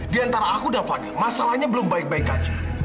di antara aku dan fadil masalahnya belum baik baik aja